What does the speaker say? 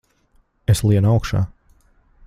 Es lienu augšā!